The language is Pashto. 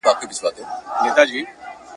بس یو نوبت وو درته مي تېر کړ `